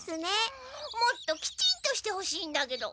もっときちんとしてほしいんだけど。